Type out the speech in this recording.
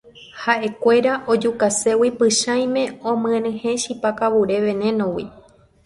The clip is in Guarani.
Ha'ekuéra ojukaségui Pychãime omyenyhẽ chipa kavure veneno-gui